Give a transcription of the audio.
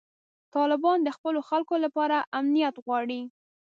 طالبان د خپلو خلکو لپاره امنیت غواړي.